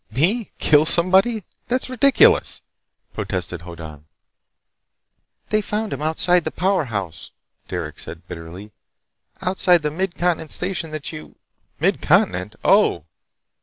"Me kill somebody? That's ridiculous!" protested Hoddan. "They found him outside the powerhouse," said Derec bitterly. "Outside the Mid Continent station that you—" "Mid Continent? Oh!"